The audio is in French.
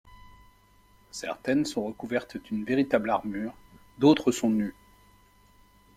Certaines sont recouvertes d'une véritable armure, d'autres sont nues.